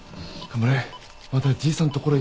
頑張れ。